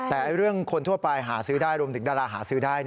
แต่เรื่องคนทั่วไปหาซื้อได้รวมถึงดาราหาซื้อได้